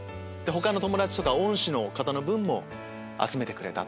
他の友達とか恩師の分も集めてくれた。